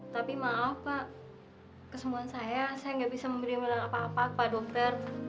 tapi maaf pak kesembuhan saya saya gak bisa memberi milik apa apa pak dokter